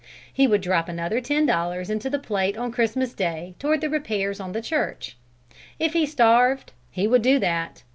He would drop another ten dollars into the plate on Christmas Day toward the repairs on the church; if he starved, he would do that.